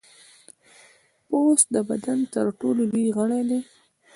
پوست د بدن تر ټولو لوی غړی دی.